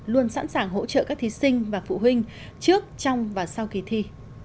luôn sẵn sàng hỗ trợ các thí sinh và phụ huynh trước trong và sau kỳ thi